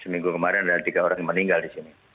seminggu kemarin ada tiga orang yang meninggal di sini